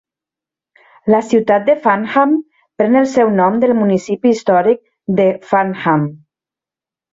La ciutat de Farnham pren el seu nom del municipi històric de Farnham.